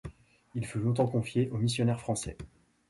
Il fut longtemps confié aux missionnaires français.